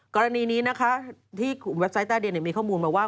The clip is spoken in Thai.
กรณีนี้นะคะที่เว็บไซต์ต้าเดียนเนี่ยมีข้อมูลมาว่า